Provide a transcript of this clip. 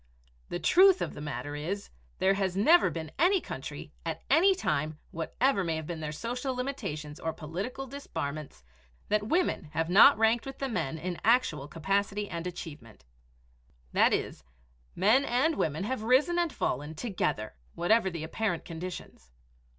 The truth of the matter is, there has never been any country, at any time, whatever may have been their social limitations or political disbarments, that women have not ranked with the men in actual capacity and achievement; that is, men and women have risen and fallen together, whatever the apparent conditions.